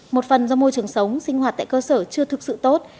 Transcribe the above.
một phần do môi trường sống sinh hoạt tại cơ sở chưa thực sự tốt